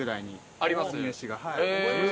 あります？